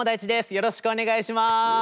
よろしくお願いします！